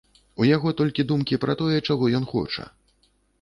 У яго толькі думкі пра тое, чаго ён хоча.